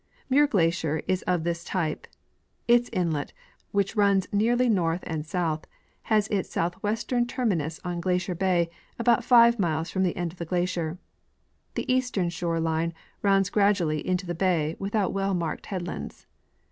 Muir glacier is of this type ; its inlet, which runs nearly north and south, has its south western terminus on Glacier bay about five miles from the end of the glacier; the eastern shore line rounds gradually into the bay without well marked headlands.